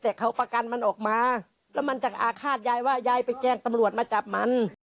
แต่เขาประกันมันออกมาแล้วมันจะอาฆาตยายว่ายายไปแจ้งตำรวจมาจับมัน